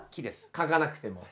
書かなくても。